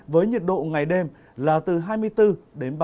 với nhiệt độ ngày đêm là từ hai mươi bốn đến ba mươi bốn độ